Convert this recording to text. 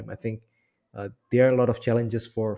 mungkin percobaan yang mereka hadapi